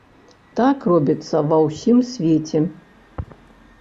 Так робіцца ва ўсім свеце.